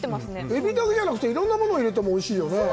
えびだけじゃなくて色んなものを入れてもおいしいよね